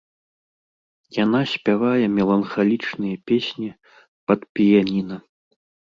Яна спявае меланхалічныя песні пад піяніна.